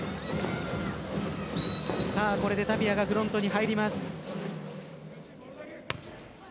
これでタピアがフロントに入ります。